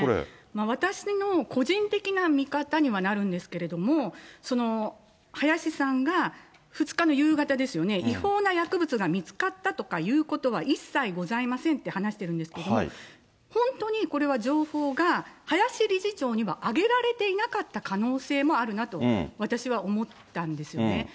私の個人的な見方にはなるんですけれども、林さんが２日の夕方ですよね、違法な薬物が見つかったとかいうことは、一切ございませんって話してるんですけども、本当にこれは情報が林理事長には上げられていなかった可能性もあるなと、私は思ったんですよね。